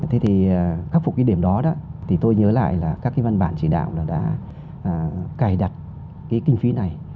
thế thì khắc phục cái điểm đó thì tôi nhớ lại là các cái văn bản chỉ đạo là đã cài đặt cái kinh phí này